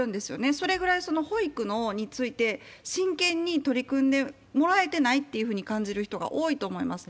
それぐらい、保育について真剣に取り組んでもらえてないっていうふうに感じる人が多いと思います。